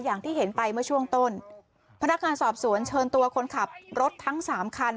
อย่างที่เห็นไปเมื่อช่วงต้นพนักงานสอบสวนเชิญตัวคนขับรถทั้งสามคัน